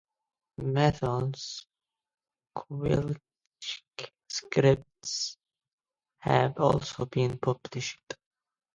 Matheson's "Kolchak Scripts" have also been published.